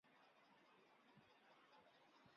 瓦利亚野山羊是衣索比亚国家足球队的象征。